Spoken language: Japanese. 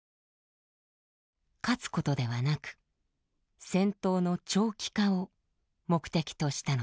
勝つことではなく戦闘の長期化を目的としたのです。